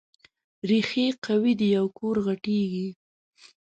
ريښې قوي دي او کور غټېږي.